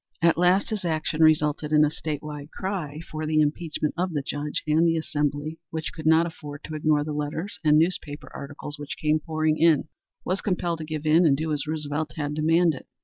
At last his action resulted in a statewide cry for the impeachment of the judge, and the Assembly, which could not afford to ignore the letters and newspaper articles which came pouring in, was compelled to give in and do as Roosevelt had demanded.